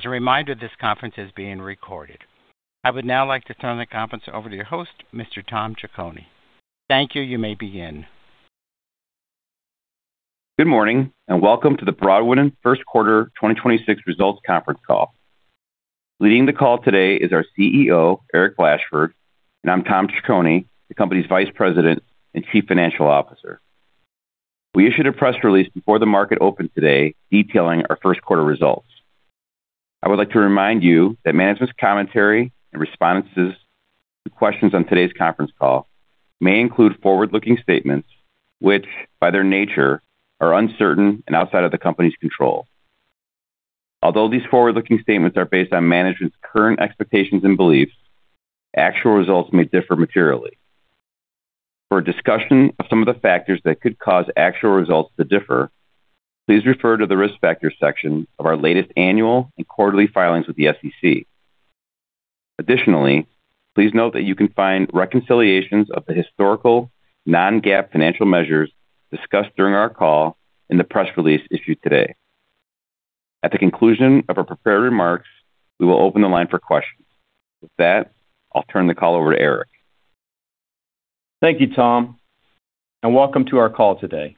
As a reminder, this conference is being recorded. I would now like to turn the conference over to your host, Mr. Tom Ciccone. Thank you. You may begin. Good morning, welcome to the Broadwind First Quarter 2026 Results Conference Call. Leading the call today is our CEO, Eric Blashford, and I'm Tom Ciccone, the company's Vice President and Chief Financial Officer. We issued a press release before the market opened today detailing our first quarter results. I would like to remind you that management's commentary and responses to questions on today's conference call may include forward-looking statements, which, by their nature, are uncertain and outside of the company's control. These forward-looking statements are based on management's current expectations and beliefs, actual results may differ materially. For a discussion of some of the factors that could cause actual results to differ, please refer to the Risk Factors section of our latest annual and quarterly filings with the SEC. Additionally, please note that you can find reconciliations of the historical non-GAAP financial measures discussed during our call in the press release issued today. At the conclusion of our prepared remarks, we will open the line for questions. With that, I'll turn the call over to Eric. Thank you, Tom, and welcome to our call today.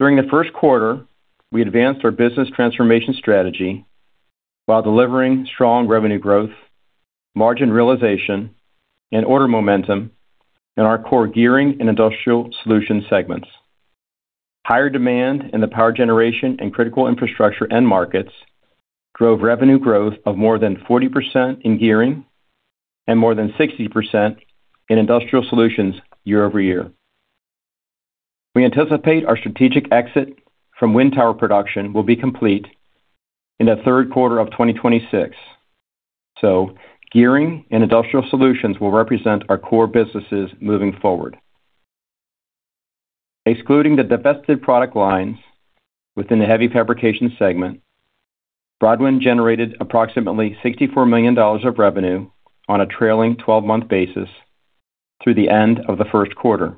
During the first quarter, we advanced our business transformation strategy while delivering strong revenue growth, margin realization, and order momentum in our core Gearing and Industrial Solutions segments. Higher demand in the power generation and critical infrastructure end markets drove revenue growth of more than 40% in Gearing and more than 60% in Industrial Solutions year-over-year. We anticipate our strategic exit from wind tower production will be complete in the third quarter of 2026. Gearing and Industrial Solutions will represent our core businesses moving forward. Excluding the divested product lines within the heavy fabrication segment, Broadwind generated approximately $64 million of revenue on a trailing twelve-month basis through the end of the first quarter.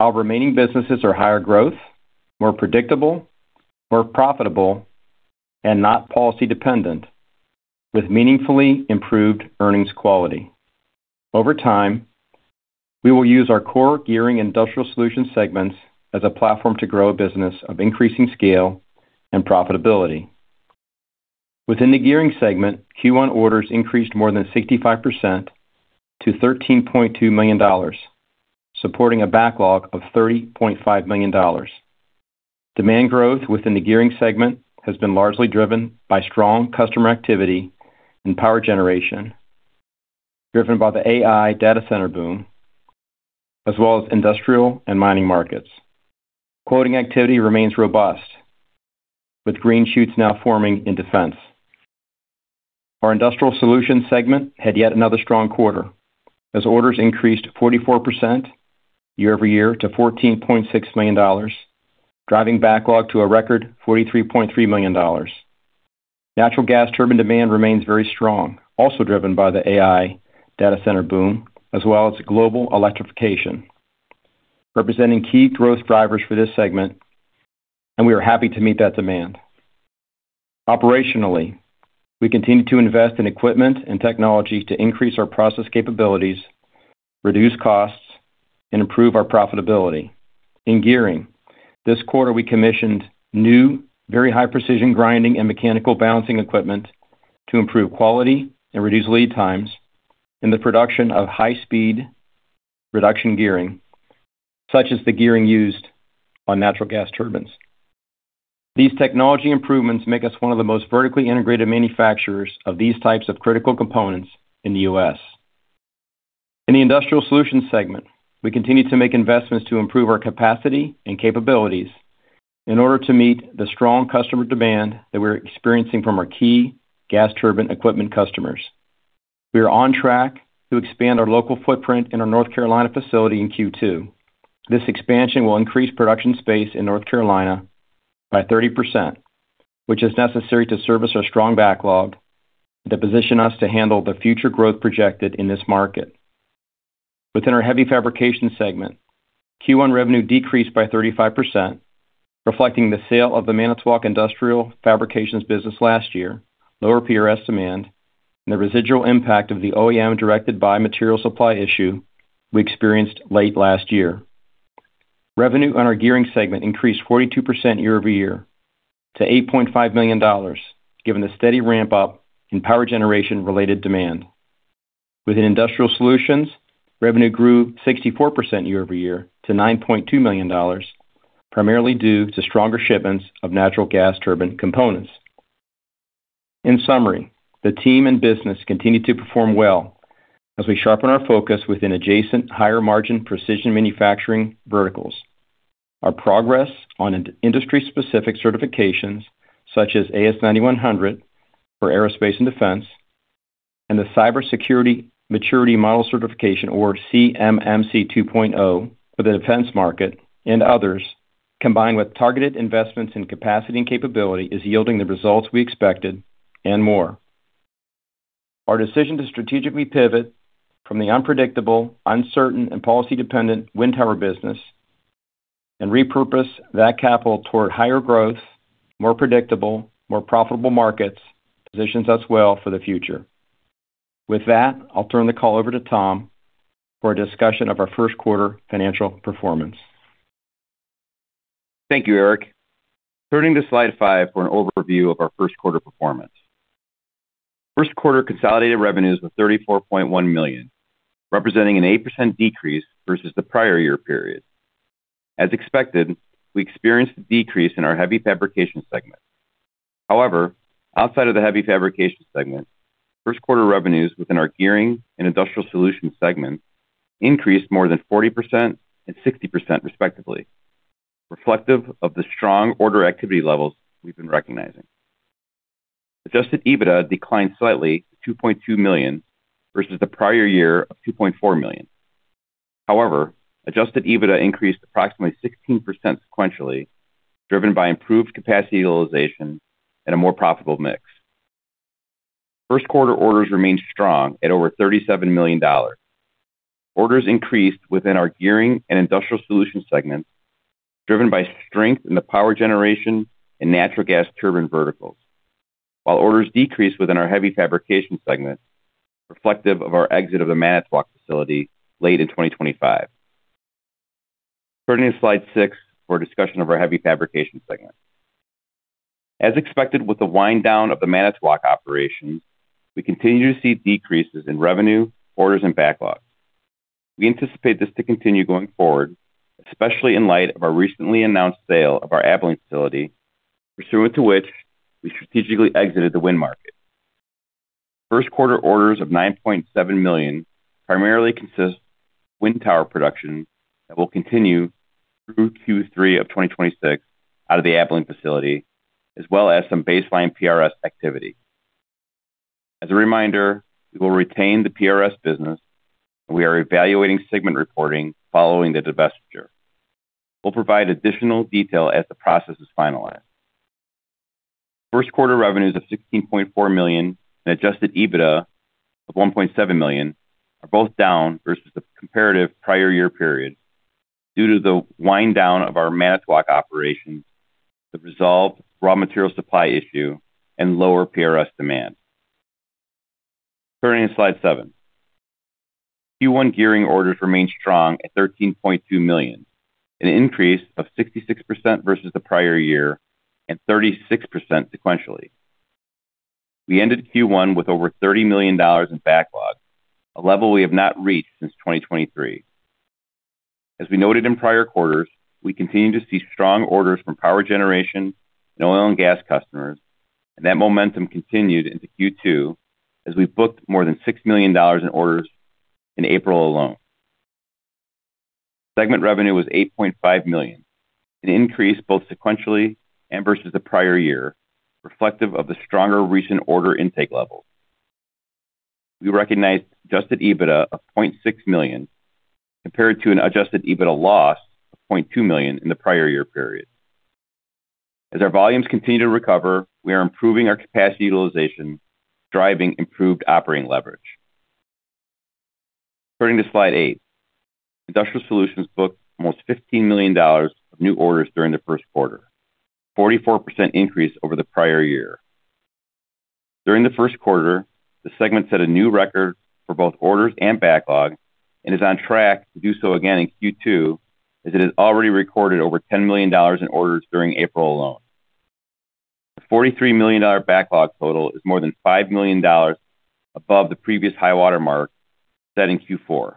Our remaining businesses are higher growth, more predictable, more profitable, and not policy-dependent, with meaningfully improved earnings quality. Over time, we will use our core Gearing and Industrial Solutions segments as a platform to grow a business of increasing scale and profitability. Within the Gearing segment, Q1 orders increased more than 65% to $13.2 million, supporting a backlog of $30.5 million. Demand growth within the Gearing segment has been largely driven by strong customer activity and power generation, driven by the AI data center boom, as well as industrial and mining markets. Quoting activity remains robust, with green shoots now forming in defense. Our Industrial Solutions segment had yet another strong quarter as orders increased 44% year-over-year to $14.6 million, driving backlog to a record $43.3 million. Natural gas turbine demand remains very strong, also driven by the AI data center boom, as well as global electrification, representing key growth drivers for this segment, and we are happy to meet that demand. Operationally, we continue to invest in equipment and technology to increase our process capabilities, reduce costs, and improve our profitability. In Gearing, this quarter we commissioned new very high-precision grinding and mechanical balancing equipment to improve quality and reduce lead times in the production of high-speed reduction gearing, such as the gearing used on natural gas turbines. These technology improvements make us one of the most vertically integrated manufacturers of these types of critical components in the U.S. In the Industrial Solutions segment, we continue to make investments to improve our capacity and capabilities in order to meet the strong customer demand that we're experiencing from our key gas turbine equipment customers. We are on track to expand our local footprint in our North Carolina facility in Q2. This expansion will increase production space in North Carolina by 30%, which is necessary to service our strong backlog to position us to handle the future growth projected in this market. Within our heavy fabrication segment, Q1 revenue decreased by 35%, reflecting the sale of the Manitowoc Industrial Fabrications business last year, lower PRS demand, and the residual impact of the OEM-directed buy material supply issue we experienced late last year. Revenue on our Gearing segment increased 42% year-over-year to $8.5 million, given the steady ramp-up in power generation-related demand. Within Industrial Solutions, revenue grew 64% year-over-year to $9.2 million, primarily due to stronger shipments of natural gas turbine components. In summary, the team and business continue to perform well as we sharpen our focus within adjacent higher-margin precision manufacturing verticals. Our progress on industry-specific certifications, such as AS9100 for aerospace and defense, and the Cybersecurity Maturity Model Certification, or CMMC 2.0 for the defense market and others, combined with targeted investments in capacity and capability, is yielding the results we expected and more. Our decision to strategically pivot from the unpredictable, uncertain, and policy-dependent wind tower business and repurpose that capital toward higher growth, more predictable, more profitable markets positions us well for the future. With that, I'll turn the call over to Tom for a discussion of our first quarter financial performance. Thank you, Eric. Turning to slide five for an overview of our first quarter performance. First quarter consolidated revenues were $34.1 million, representing an 8% decrease versus the prior year period. As expected, we experienced a decrease in our heavy fabrication segment. Outside of the heavy fabrication segment, first quarter revenues within our Gearing and Industrial Solutions segment increased more than 40% and 60% respectively, reflective of the strong order activity levels we've been recognizing. Adjusted EBITDA declined slightly to $2.2 million versus the prior year of $2.4 million. Adjusted EBITDA increased approximately 16% sequentially, driven by improved capacity utilization and a more profitable mix. First quarter orders remained strong at over $37 million. Orders increased within our Gearing and Industrial Solutions segments, driven by strength in the power generation and natural gas turbine verticals. While orders decreased within our Heavy Fabrication segment, reflective of our exit of the Manitowoc facility late in 2025. Turning to slide six for a discussion of our Heavy Fabrication segment. As expected with the wind down of the Manitowoc operation, we continue to see decreases in revenue, orders and backlogs. We anticipate this to continue going forward, especially in light of our recently announced sale of our Abilene facility, pursuant to which we strategically exited the wind market. First quarter orders of $9.7 million primarily consist wind tower production that will continue through Q3 of 2026 out of the Abilene facility, as well as some baseline PRS activity. As a reminder, we will retain the PRS business. We are evaluating segment reporting following the divestiture. We'll provide additional detail as the process is finalized. First quarter revenues of $16.4 million and adjusted EBITDA of $1.7 million are both down versus the comparative prior year period due to the wind down of our Manitowoc operation, the resolved raw material supply issue, and lower PRS demand. Turning to slide seven. Q1 Gearing orders remained strong at $13.2 million, an increase of 66% versus the prior year and 36% sequentially. We ended Q1 with over $30 million in backlog, a level we have not reached since 2023. As we noted in prior quarters, we continue to see strong orders from power generation and oil and gas customers, and that momentum continued into Q2 as we booked more than $6 million in orders in April alone. Segment revenue was $8.5 million, an increase both sequentially and versus the prior year, reflective of the stronger recent order intake levels. We recognized adjusted EBITDA of $0.6 million compared to an adjusted EBITDA loss of $0.2 million in the prior year period. As our volumes continue to recover, we are improving our capacity utilization, driving improved operating leverage. Turning to slide eight. Industrial Solutions booked almost $15 million of new orders during the first quarter, a 44% increase over the prior year. During the first quarter, the segment set a new record for both orders and backlog and is on track to do so again in Q2, as it has already recorded over $10 million in orders during April alone. The $43 million backlog total is more than $5 million above the previous high-water mark set in Q4.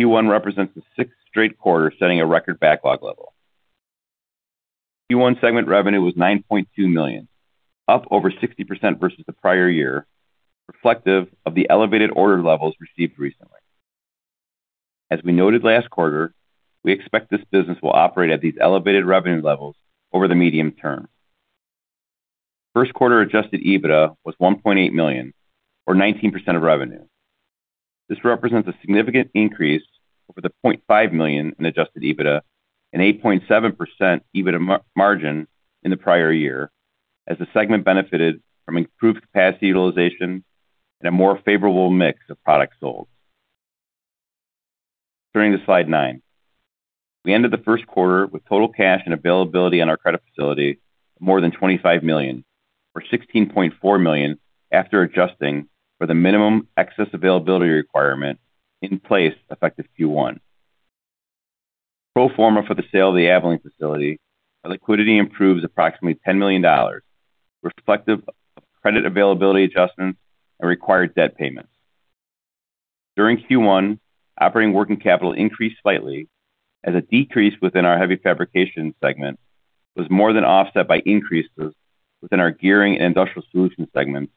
Q1 represents the sixth straight quarter setting a record backlog level. Q1 segment revenue was $9.2 million, up over 60% versus the prior year, reflective of the elevated order levels received recently. As we noted last quarter, we expect this business will operate at these elevated revenue levels over the medium term. First quarter adjusted EBITDA was $1.8 million or 19% of revenue. This represents a significant increase over the $0.5 million in adjusted EBITDA and 8.7% EBITDA margin in the prior year as the segment benefited from improved capacity utilization and a more favorable mix of products sold. Turning to slide nine. We ended the first quarter with total cash and availability on our credit facility of more than $25 million or $16.4 million after adjusting for the minimum excess availability requirement in place effective Q1. Pro forma for the sale of the Abilene facility, our liquidity improves approximately $10 million, reflective of credit availability adjustments and required debt payments. During Q1, operating working capital increased slightly as a decrease within our heavy fabrication segment was more than offset by increases within our Gearing and Industrial Solutions segments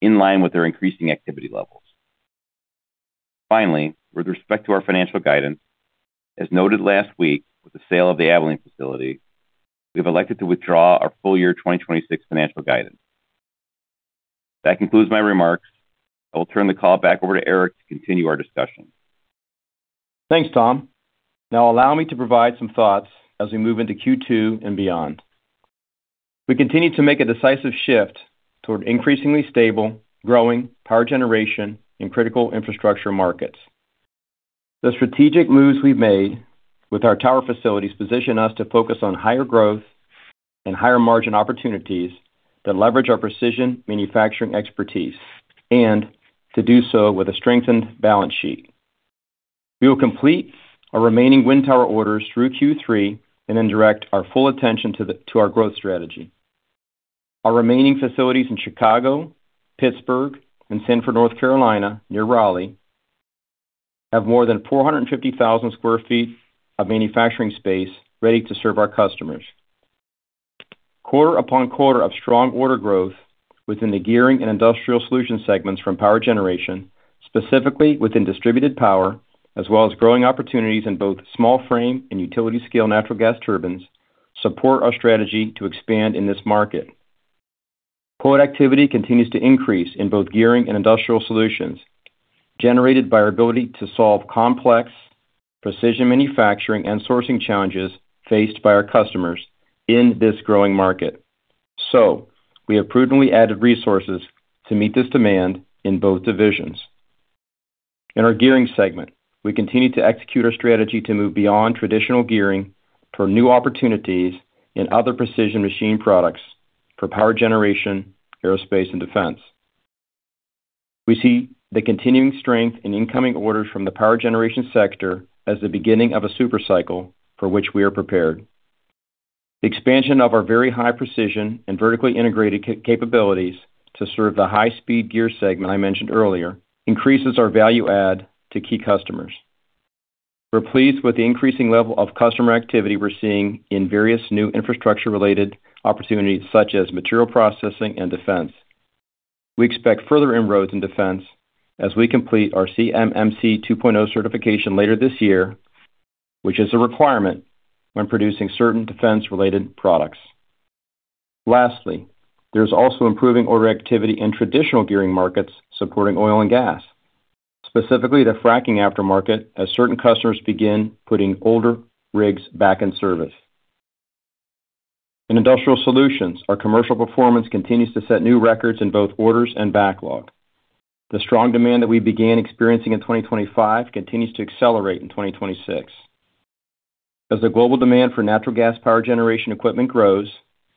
in line with their increasing activity levels. Finally, with respect to our financial guidance, as noted last week with the sale of the Abilene facility, we have elected to withdraw our full year 2026 financial guidance. That concludes my remarks. I will turn the call back over to Eric to continue our discussion. Thanks, Tom. Now allow me to provide some thoughts as we move into Q2 and beyond. We continue to make a decisive shift toward increasingly stable, growing power generation in critical infrastructure markets. The strategic moves we've made with our tower facilities position us to focus on higher growth and higher margin opportunities that leverage our precision manufacturing expertise, and to do so with a strengthened balance sheet. We will complete our remaining wind tower orders through Q3 and then direct our full attention to our growth strategy. Our remaining facilities in Chicago, Pittsburgh, and Sanford, North Carolina, near Raleigh, have more than 450,000 sq ft of manufacturing space ready to serve our customers. Quarter upon quarter of strong order growth within the Gearing and Industrial Solutions segments from power generation, specifically within distributed power, as well as growing opportunities in both small frame and utility scale natural gas turbines, support our strategy to expand in this market. Quote activity continues to increase in both Gearing and Industrial Solutions, generated by our ability to solve complex precision manufacturing and sourcing challenges faced by our customers in this growing market. We have prudently added resources to meet this demand in both divisions. In our Gearing segment, we continue to execute our strategy to move beyond traditional gearing for new opportunities in other precision machine products for power generation, aerospace, and defense. We see the continuing strength in incoming orders from the power generation sector as the beginning of a super cycle for which we are prepared. The expansion of our very high precision and vertically integrated capabilities to serve the high-speed gear segment I mentioned earlier, increases our value add to key customers. We're pleased with the increasing level of customer activity we're seeing in various new infrastructure-related opportunities such as material processing and defense. We expect further inroads in defense as we complete our CMMC 2.0 certification later this year, which is a requirement when producing certain defense-related products. Lastly, there's also improving order activity in traditional Gearing markets supporting oil and gas, specifically the fracking aftermarket, as certain customers begin putting older rigs back in service. In Industrial Solutions, our commercial performance continues to set new records in both orders and backlog. The strong demand that we began experiencing in 2025 continues to accelerate in 2026. As the global demand for natural gas power generation equipment grows,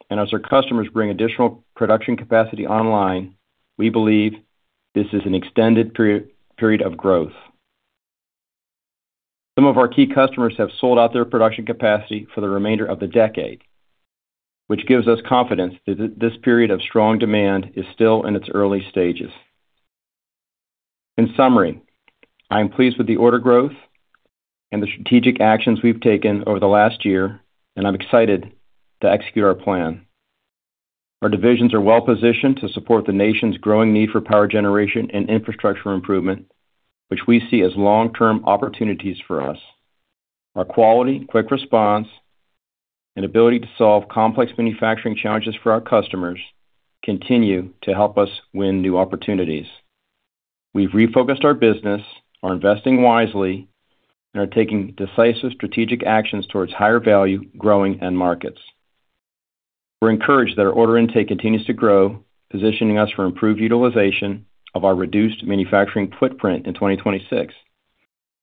and as our customers bring additional production capacity online, we believe this is an extended period of growth. Some of our key customers have sold out their production capacity for the remainder of the decade, which gives us confidence that this period of strong demand is still in its early stages. In summary, I am pleased with the order growth and the strategic actions we've taken over the last year, and I'm excited to execute our plan. Our divisions are well-positioned to support the nation's growing need for power generation and infrastructure improvement, which we see as long-term opportunities for us. Our quality, quick response, and ability to solve complex manufacturing challenges for our customers continue to help us win new opportunities. We've refocused our business, are investing wisely, and are taking decisive strategic actions towards higher value growing end markets. We're encouraged that our order intake continues to grow, positioning us for improved utilization of our reduced manufacturing footprint in 2026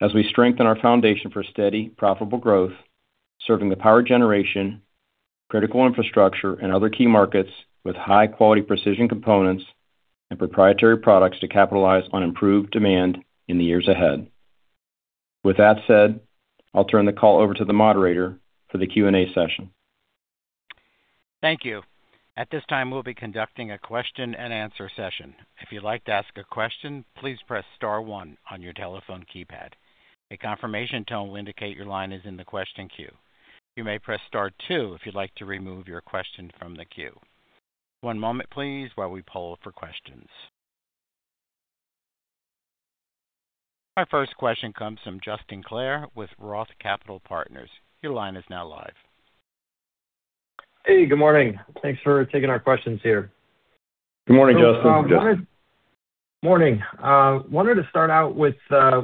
as we strengthen our foundation for steady profitable growth, serving the power generation, critical infrastructure, and other key markets with high-quality precision components and proprietary products to capitalize on improved demand in the years ahead. With that said, I'll turn the call over to the moderator for the Q&A session. Thank you. At this time, we will be conducting a question and answer session. If you would like to ask a question, please press star one on your telephone keypad. The confirmation tone will indicate your line is in the question queue. You may press star two if you like to remove your question from the queue. One moment please while we pull up for questions. Our first question comes from Justin Clare with ROTH Capital Partners. Hey, good morning. Thanks for taking our questions here. Good morning, Justin. Morning. Wanted to start out with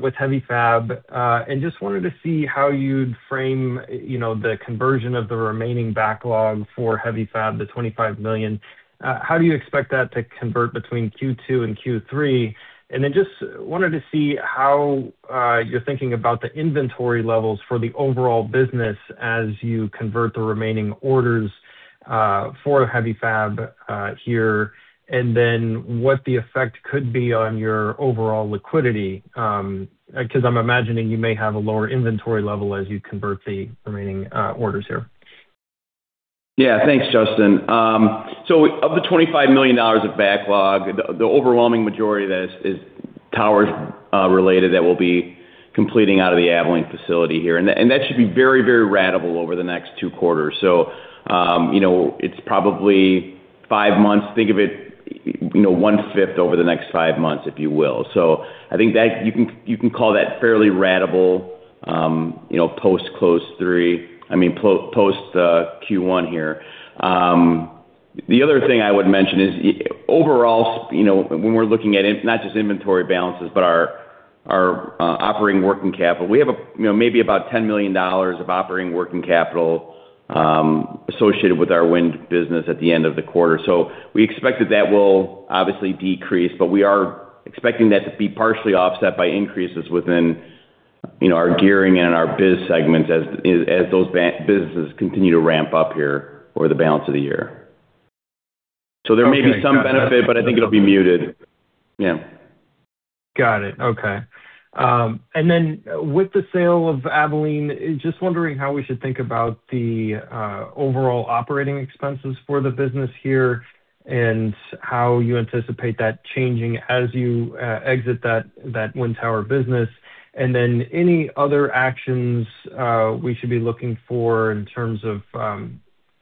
with Heavy Fab and just wanted to see how you'd frame, you know, the conversion of the remaining backlog for Heavy Fab, the $25 million. How do you expect that to convert between Q2 and Q3? Just wanted to see how you're thinking about the inventory levels for the overall business as you convert the remaining orders for Heavy Fab here, and then what the effect could be on your overall liquidity, 'cause I'm imagining you may have a lower inventory level as you convert the remaining orders here. Yeah, thanks, Justin. So of the $25 million of backlog, the overwhelming majority of that is tower related that we'll be completing out of the Abilene facility here. That should be very, very ratable over the next two quarters. You know, it's probably five months. Think of it, you know, 1/5 over the next five months, if you will. I think that you can call that fairly ratable, you know, post close three. I mean, post Q1 here. The other thing I would mention is, overall, you know, when we're looking at not just inventory balances, but our operating working capital, we have a, you know, maybe about $10 million of operating working capital associated with our wind business at the end of the quarter. We expect that that will obviously decrease, but we are expecting that to be partially offset by increases within, you know, our Gearing and our Industrial Solutions segments as those businesses continue to ramp up here over the balance of the year. There may be some benefit, but I think it'll be muted. Yeah. Got it. Okay. With the sale of Abilene, just wondering how we should think about the overall operating expenses for the business here, and how you anticipate that changing as you exit that wind tower business. Any other actions we should be looking for in terms of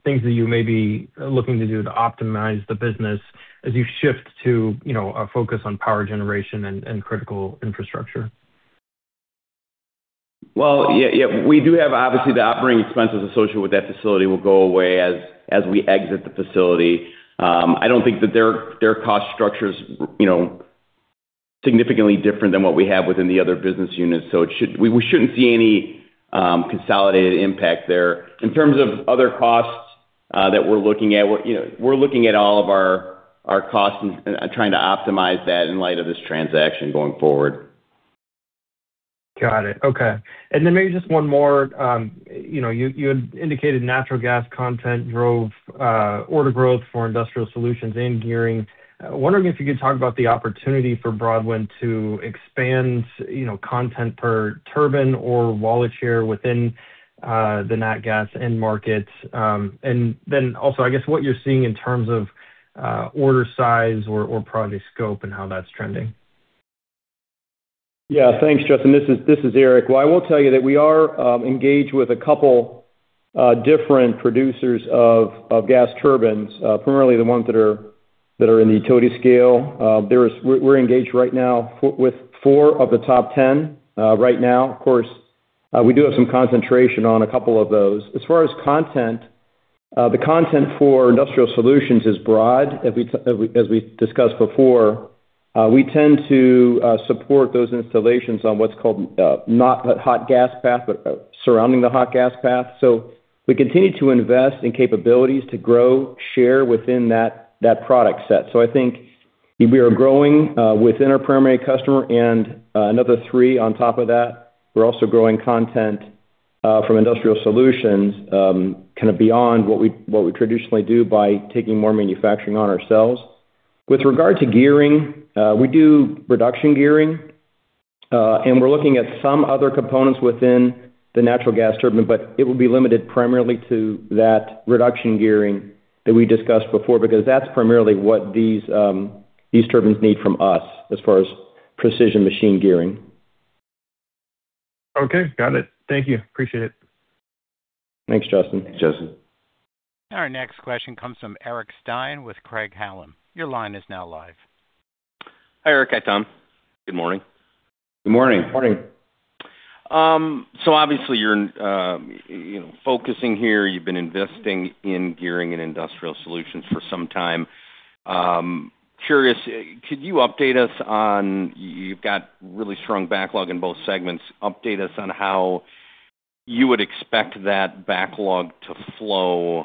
things that you may be looking to do to optimize the business as you shift to, you know, a focus on power generation and critical infrastructure. Well, yeah. We do have obviously the operating expenses associated with that facility will go away as we exit the facility. I don't think that their cost structure's, you know, significantly different than what we have within the other business units, so we shouldn't see any consolidated impact there. In terms of other costs that we're looking at, you know, we're looking at all of our costs and trying to optimize that in light of this transaction going forward. Got it. Okay. Maybe just one more. You know, you had indicated natural gas content drove order growth for Industrial Solutions and Gearing. Wondering if you could talk about the opportunity for Broadwind to expand, you know, content per turbine or wallet share within the nat gas end market. Also, I guess, what you're seeing in terms of order size or project scope and how that's trending. Thanks, Justin. This is Eric. I will tell you that we are engaged with a couple different producers of gas turbines, primarily the ones that are in the utility scale. We're engaged right now with four of the top 10 right now. Of course, we do have some concentration on a couple of those. As far as content, the content for Industrial Solutions is broad. As we discussed before, we tend to support those installations on what's called not hot gas path, but surrounding the hot gas path. We continue to invest in capabilities to grow share within that product set. I think we are growing within our primary customer and another three on top of that. We're also growing content from Industrial Solutions, kind of beyond what we traditionally do by taking more manufacturing on ourselves. With regard to Gearing, we do reduction gearing, and we're looking at some other components within the natural gas turbine, but it will be limited primarily to that reduction gearing that we discussed before, because that's primarily what these turbines need from us as far as precision machine gearing. Okay. Got it. Thank you. Appreciate it. Thanks, Justin. Thanks, Justin. Our next question comes from Eric Stine with Craig-Hallum. Your line is now live. Hi, Eric. Hi, Tom. Good morning. Good morning. Morning. Obviously you're, you know, focusing here. You've been investing in Gearing and Industrial Solutions for some time. Curious, could you update us on, you've got really strong backlog in both segments. Update us on how you would expect that backlog to flow,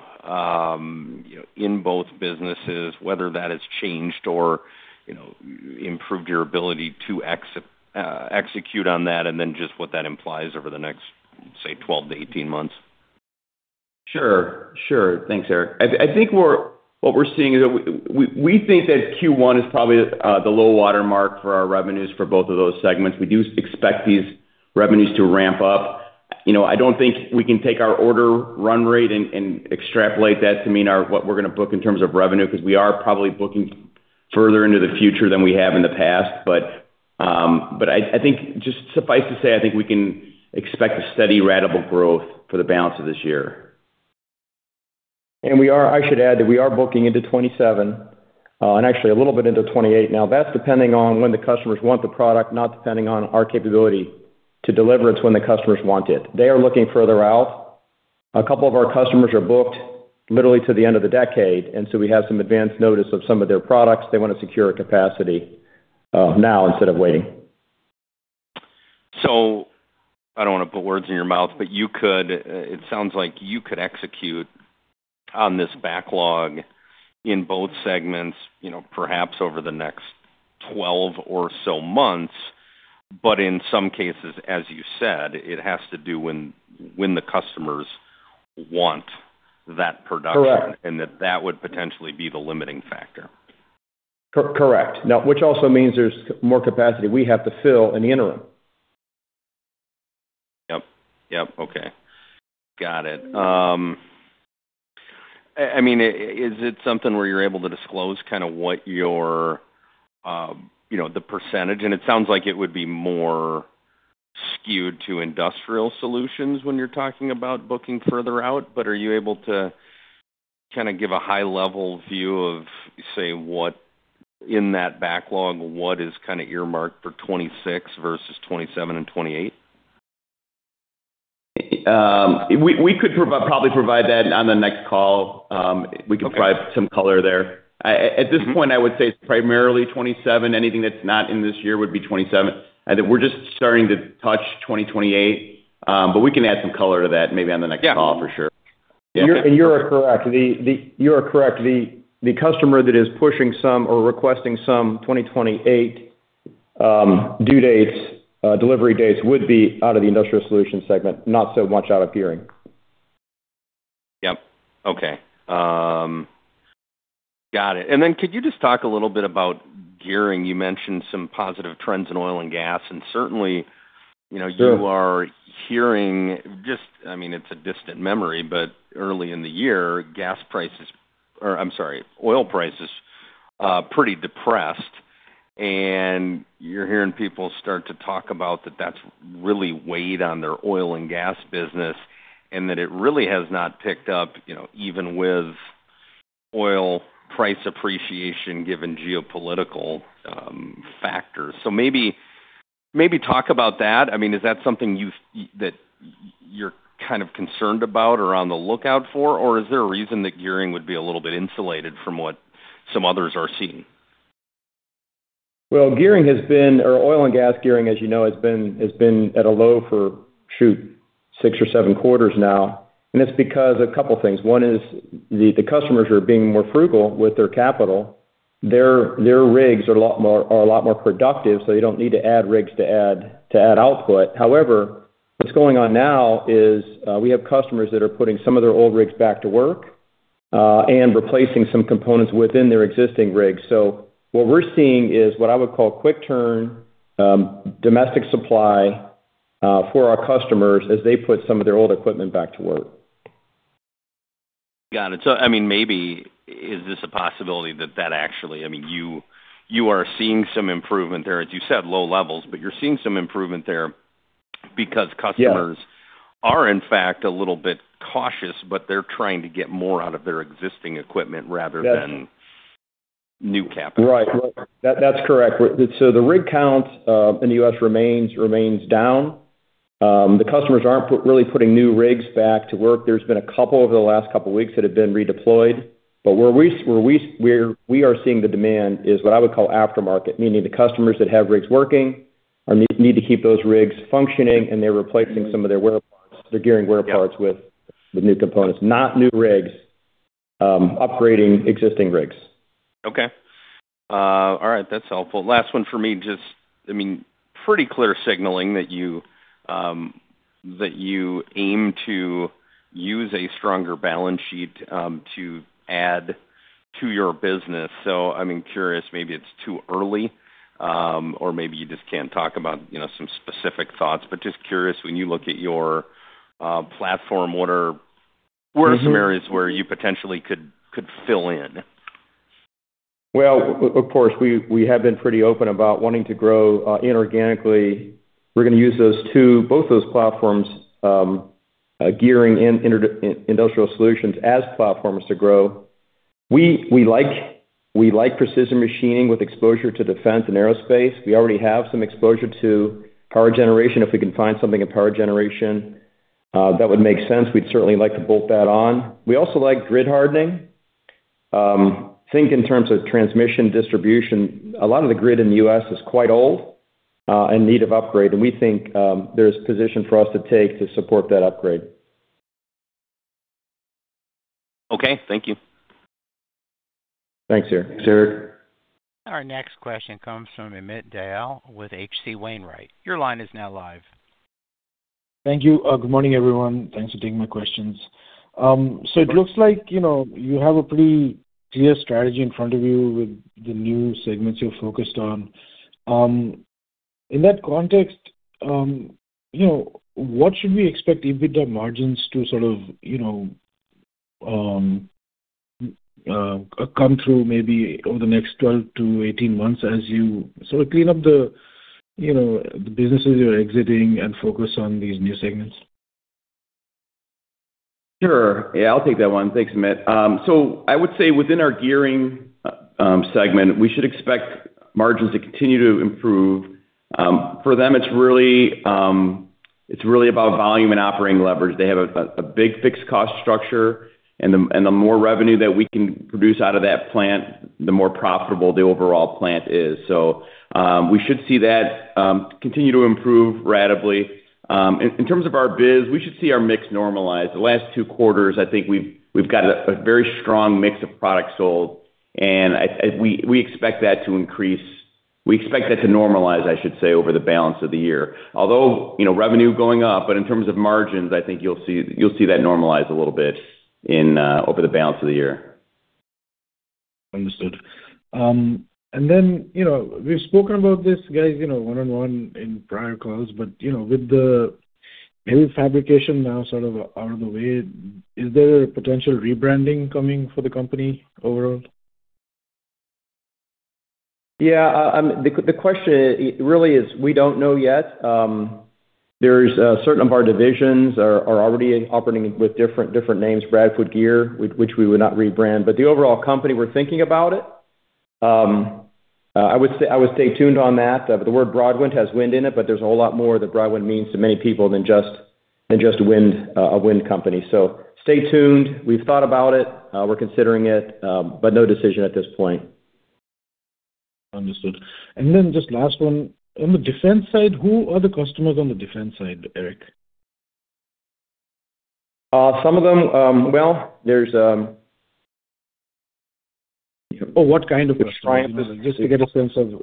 you know, in both businesses, whether that has changed or, you know, improved your ability to execute on that, and then just what that implies over the next, say, 12-18 months? Sure. Sure. Thanks, Eric. I think what we're seeing is that we think that Q1 is probably the low water mark for our revenues for both of those segments. We do expect these revenues to ramp up. You know, I don't think we can take our order run rate and extrapolate that to mean what we're gonna book in terms of revenue, because we are probably booking further into the future than we have in the past. I think just suffice to say, I think we can expect a steady ratable growth for the balance of this year. We are, I should add, that we are booking into 2027, and actually a little bit into 2028. That's depending on when the customers want the product, not depending on our capability to deliver. It's when the customers want it. They are looking further out. A couple of our customers are booked literally to the end of the decade, we have some advanced notice of some of their products. They want to secure a capacity now instead of waiting. I don't want to put words in your mouth, but you could, it sounds like you could execute on this backlog in both segments, you know, perhaps over the next 12 or so months. In some cases, as you said, it has to do when the customers want that production. Correct That would potentially be the limiting factor. Correct. Now, which also means there's more capacity we have to fill in the interim. Yep. Yep. Okay. Got it. I mean, is it something where you're able to disclose kind of what your, you know, the percentage? It sounds like it would be more skewed to Industrial Solutions when you're talking about booking further out, but are you able to kind of give a high level view of, say, what, in that backlog, what is kind of earmarked for 2026 versus 2027 and 2028? We could probably provide that on the next call. We could provide some color there. At this point, I would say it's primarily 2027. Anything that's not in this year would be 2027. We're just starting to touch 2028. We can add some color to that maybe on the next call for sure. Yeah. Yeah. You are correct. The customer that is pushing some or requesting some 2028 due dates, delivery dates would be out of the Industrial Solutions segment, not so much out of Gearing. Yep. Okay. Got it. Could you just talk a little bit about Gearing? You mentioned some positive trends in oil and gas, and certainly, you know- Sure - you are hearing I mean, it's a distant memory, but early in the year, gas prices or I'm sorry, oil prices, pretty depressed. you're hearing people start to talk about that that's really weighed on their oil and gas business, and that it really has not picked up, you know, even with oil price appreciation given geopolitical factors. maybe talk about that. I mean, is that something that you're kind of concerned about or on the lookout for? Or is there a reason that Gearing would be a little bit insulated from what some others are seeing? Well, Gearing has been or oil and gas Gearing, as you know, has been at a low for, shoot, six or seven quarters now. It's because a couple of things. One is the customers are being more frugal with their capital. Their rigs are a lot more productive, they don't need to add rigs to add output. However, what's going on now is we have customers that are putting some of their old rigs back to work and replacing some components within their existing rigs. What we're seeing is what I would call quick turn, domestic supply for our customers as they put some of their old equipment back to work. Got it. I mean, maybe is this a possibility that actually I mean, you are seeing some improvement there, as you said, low levels, but you're seeing some improvement there because customers- Yeah - are in fact a little bit cautious, but they're trying to get more out of their existing equipment rather than new capital. Right. Right. That's correct. The rig count in the U.S. remains down. The customers aren't really putting new rigs back to work. There's been a couple over the last couple of weeks that have been redeployed. Where we are seeing the demand is what I would call aftermarket, meaning the customers that have rigs working and need to keep those rigs functioning, and they're replacing some of their wear parts, their Gearing wear parts with new components. Not new rigs, upgrading existing rigs. Okay. All right. That's helpful. Last one for me, just, I mean, pretty clear signaling that you that you aim to use a stronger balance sheet to add to your business. I'm curious, maybe it's too early, or maybe you just can't talk about, you know, some specific thoughts. Just curious, when you look at your platform, what are some areas where you potentially could fill in? Of course, we have been pretty open about wanting to grow inorganically. We're going to use those two, both those platforms, Gearing and Industrial Solutions as platforms to grow. We like precision machining with exposure to defense and aerospace. We already have some exposure to power generation. If we can find something in power generation that would make sense, we'd certainly like to bolt that on. We also like grid hardening. Think in terms of transmission distribution, a lot of the grid in the U.S. is quite old and in need of upgrade, and we think there's position for us to take to support that upgrade. Okay, thank you. Thanks, Eric. Our next question comes from Amit Dayal with H.C. Wainwright. Your line is now live. Thank you. Good morning, everyone. Thanks for taking my questions. It looks like, you know, you have a pretty clear strategy in front of you with the new segments you're focused on. In that context, you know, what should we expect EBITDA margins to sort of, you know, come through maybe over the next 12-18 months as you sort of clean up the, you know, the businesses you're exiting and focus on these new segments? Sure. Yeah, I'll take that one. Thanks, Amit. I would say within our Gearing segment, we should expect margins to continue to improve. For them, it's really about volume and operating leverage. They have a big fixed cost structure, and the more revenue that we can produce out of that plant, the more profitable the overall plant is. We should see that continue to improve ratably. In terms of our biz, we should see our mix normalize. The last two quarters, I think we've got a very strong mix of products sold, and we expect that to increase. We expect that to normalize, I should say, over the balance of the year. You know, revenue going up, but in terms of margins, I think you'll see that normalize a little bit in over the balance of the year. Understood. You know, we've spoken about this, guys, you know, one-on-one in prior calls, but, you know, with the maybe fabrication now sort of out of the way, is there a potential rebranding coming for the company overall? The question really is we don't know yet. There's a certain number of our divisions are already operating with different names, Brad Foote Gearing, which we would not rebrand. The overall company, we're thinking about it. I would stay tuned on that. The word Broadwind has wind in it, but there's a whole lot more that Broadwind means to many people than just wind, a wind company. Stay tuned. We've thought about it. We're considering it, but no decision at this point. Understood. Just last one. On the defense side, who are the customers on the defense side, Eric? Uh, some of them, um Well, there's, um- What kind of customers?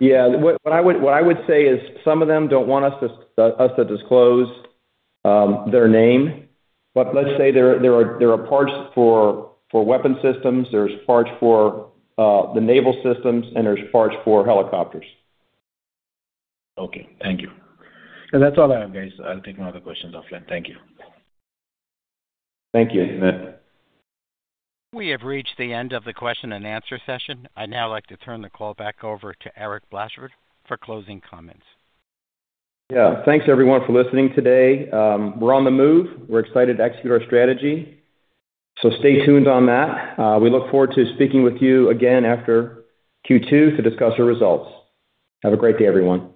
Yeah. What I would say is some of them don't want us to disclose their name. Let's say there are parts for weapon systems, there's parts for the naval systems, and there's parts for helicopters. Okay. Thank you. That's all I have, guys. I'll take my other questions offline. Thank you. Thank you, Amit. We have reached the end of the question and answer session. I'd now like to turn the call back over to Eric Blashford for closing comments. Yeah. Thanks everyone for listening today. We're on the move. We're excited to execute our strategy. Stay tuned on that. We look forward to speaking with you again after Q2 to discuss our results. Have a great day, everyone.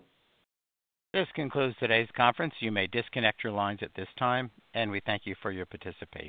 This concludes today's conference. You may disconnect your lines at this time, and we thank you for your participation.